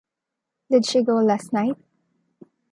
Did she go last night?